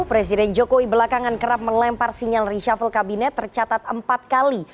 presiden jokowi belakangan kerap melempar sinyal reshuffle kabinet tercatat empat kali